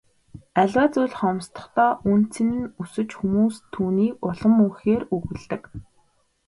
Аливаа зүйл хомсдохдоо үнэ цэн нь өсөж хүмүүс түүнийг улам ихээр үгүйлдэг.